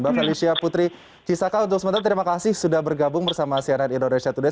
mbak felicia putri cisaka untuk sementara terima kasih sudah bergabung bersama cnn indonesia today